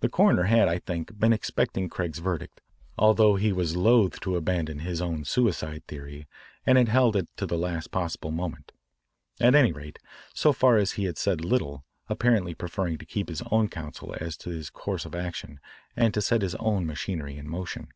The coroner had, I think, been expecting Craig's verdict, although he was loath to abandon his own suicide theory and had held it to the last possible moment. At any rate, so far he had said little, apparently preferring to keep his own counsel as to his course of action and to set his own machinery in motion.